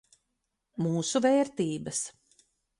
Mūsu vērtības.